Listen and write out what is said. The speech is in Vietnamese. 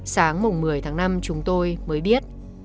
sáng một mươi tháng năm chúng tôi mới biết